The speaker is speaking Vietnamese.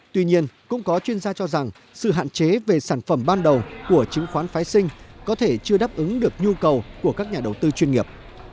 tuy nhiên cũng có chuyên gia cho rằng sự hạn chế về sản phẩm ban đầu của chứng khoán phái sinh có thể chưa đáp ứng được nhu cầu của các nhà đầu tư chuyên nghiệp